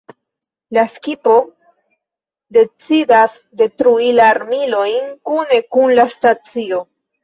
La skipo decidas detrui la armilojn kune kun la stacio.